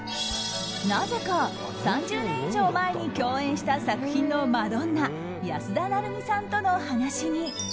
なぜか３０年以上前に共演した作品のマドンナ安田成美さんとの話に。